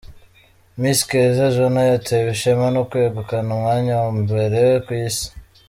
Miss Keza Joannah yatewe ishema no kwegukana umwanya wa mbere ku isi.